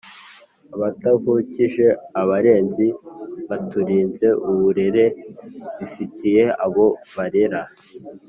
abatuvukije abarezi baturinze uburere bifitiye abo barera